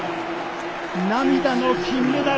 涙の金メダル。